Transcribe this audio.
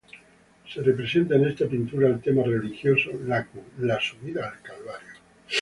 Se representa en esta pintura de tema religioso la "Subida al Calvario".